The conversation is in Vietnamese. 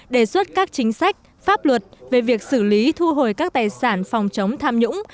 đề xuất các chính sách pháp luật về việc xử lý thu hồi các tài sản phòng chống tham nhũng